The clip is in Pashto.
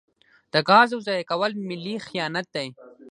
د ګازو ضایع کول ملي خیانت دی.